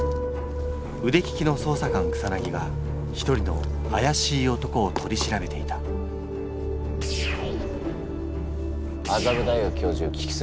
うでききの捜査官草が一人のあやしい男を取り調べていた麻布大学教授菊水